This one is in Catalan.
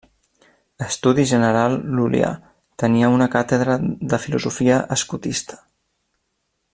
L'Estudi General Lul·lià tenia una càtedra de filosofia escotista.